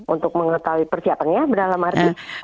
untuk mengetahui persiapannya dalam arti